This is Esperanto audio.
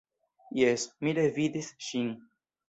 Jes, mi revidis ŝin.